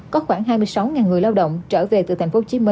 có khoảng hai mươi sáu người lao động trở về từ tp hcm